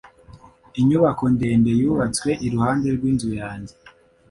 Inyubako ndende yubatswe iruhande rwinzu yanjye.